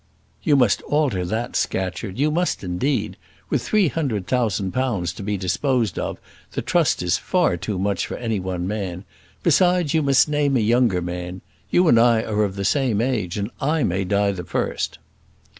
"You must alter that, Scatcherd; you must indeed; with three hundred thousand pounds to be disposed of, the trust is far too much for any one man: besides you must name a younger man; you and I are of the same age, and I may die the first."